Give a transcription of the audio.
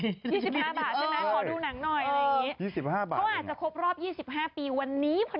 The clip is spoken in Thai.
๒๕บาทใช่ไหมขอดูหนังหน่อยอะไรอย่างนี้คือเขาอาจจะครบรอบ๒๕ปีวันนี้พอดี